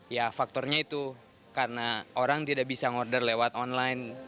ya faktornya itu karena orang tidak bisa ngorder lewat online